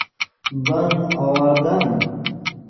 بند آوردن